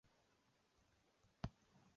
雷讷维勒人口变化图示